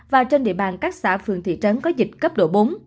và trên địa bàn các xã phường thị trấn có dịch cấp độ bốn